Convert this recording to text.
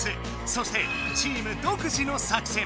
そしてチーム独自の作戦。